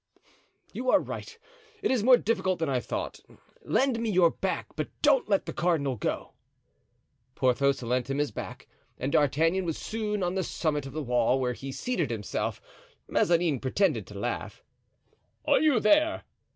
"You are right; it is more difficult than I thought. Lend me your back—but don't let the cardinal go." Porthos lent him his back and D'Artagnan was soon on the summit of the wall, where he seated himself. Mazarin pretended to laugh. "Are you there?"